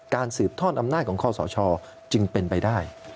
สืบทอดอำนาจของคอสชจึงเป็นไปได้